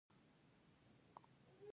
بهرنیو سوداګرو دلته مالونه اخیستل.